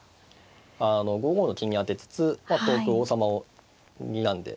あの５五の金に当てつつ遠く王様をにらんでいますね。